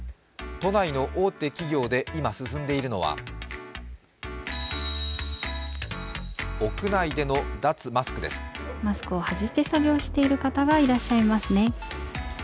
都内の大手企業で今進んでいるのはマスクを外して作業している方がいらっしゃいますね。